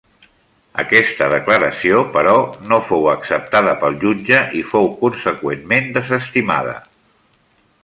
Aquesta declaració, però, no fou acceptada pel jutge i fou conseqüentment desestimada.